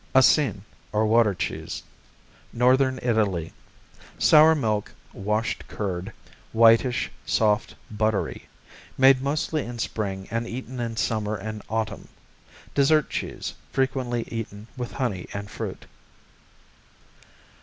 Asin, or Water cheese Northern Italy Sour milk; washed curd; whitish; soft; buttery. Made mostly in spring and eaten in summer and autumn. Dessert cheese, frequently eaten with honey and fruit.